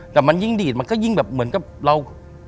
แต่มันยิ่งดีดมันก็ยิ่งแบบเหมือนกับเรา